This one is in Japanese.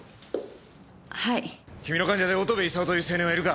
はい。